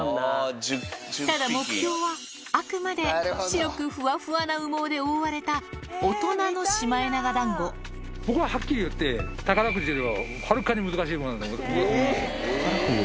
ただ、目標はあくまで白くふわふわな羽毛で覆われた、大人の僕ははっきり言って、宝くじよりもはるかに難しいものだと思いますよ。